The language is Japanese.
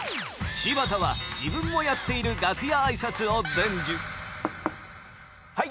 柴田は自分もやっている楽屋挨拶を伝授はい。